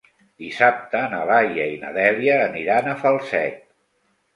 Dissabte na Laia i na Dèlia aniran a Falset.